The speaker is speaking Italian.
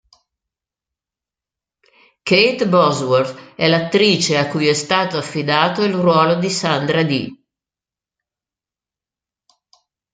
Kate Bosworth è l'attrice a cui è stato affidato il ruolo di Sandra Dee.